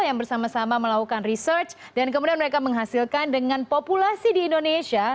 yang bersama sama melakukan research dan kemudian mereka menghasilkan dengan populasi di indonesia